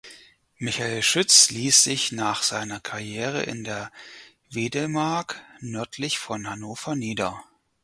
Michael Schütz ließ sich nach seiner Karriere in der Wedemark nördlich von Hannover nieder.